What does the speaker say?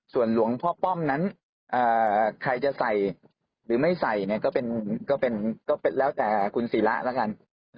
ส่วนหลวงพ่อป้อมนั้นใครจะใส่หรือไม่ใส่เนี่ยก็เป็นก็แล้วแต่คุณศิระแล้วกัน